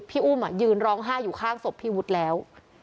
พี่อุ้มยืนร้องไห้อยู่ข้างศพพี่วุฒิแล้ว